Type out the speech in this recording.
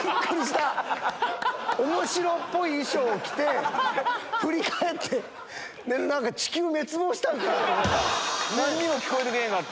おもしろっぽい衣装を着て、振り返って、なんか地球滅亡したのかなと思った。